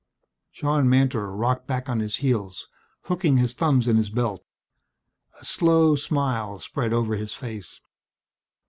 John Mantor rocked back on his heels, hooking his thumbs in his belt. A slow smile spread over his face.